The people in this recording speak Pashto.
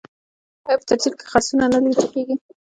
آیا په چرچیل کې خرسونه نه لیدل کیږي؟